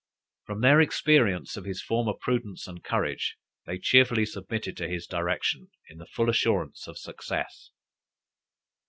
From their experience of his former prudence and courage, they cheerfully submitted to his direction, in the full assurance of success.